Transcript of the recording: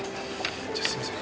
じゃあすいません。